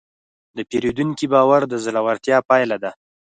د پیرودونکي باور د زړورتیا پایله ده.